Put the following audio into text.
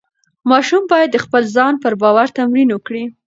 ماشوم باید د خپل ځان پر باور تمرین وکړي.